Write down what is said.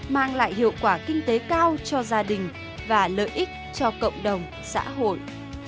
mang lại hiệu quả kinh tế cao cho gia đình và lợi ích cho cộng đồng xã hội